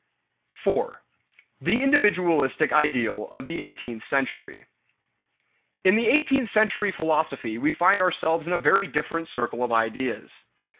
4. The "Individualistic" Ideal of the Eighteenth Century. In the eighteenth century philosophy we find ourselves in a very different circle of ideas.